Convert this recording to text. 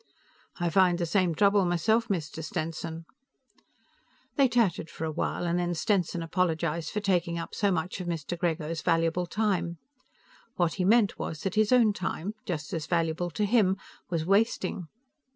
"I find the same trouble myself, Mr. Stenson." They chatted for a while, and then Stenson apologized for taking up so much of Mr. Grego's valuable time. What he meant was that his own time, just as valuable to him, was wasting.